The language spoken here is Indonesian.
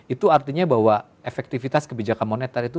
itu artinya bahwa efektivitas kebijakan moneter itu